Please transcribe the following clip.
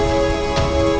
masih ada yang nungguin